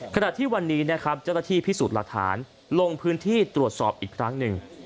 ขณะที่วันนี้นะครับเจ้าหน้าที่พิสูจน์หลักฐานลงพื้นที่ตรวจสอบอีกครั้งหนึ่ง